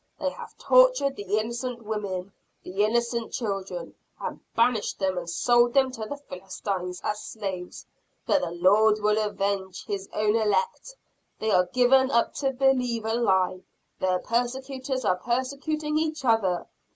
They have tortured the innocent women, the innocent children and banished them and sold them to the Philistines as slaves. But the Lord will avenge His own elect! They are given up to believe a lie! The persecutors are persecuting each other!